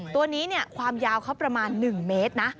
ตัวนี้ความยาวเขาประมาณ๑เมตรนะ